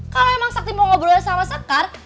kalau emang sakti mau ngobrol sama soekar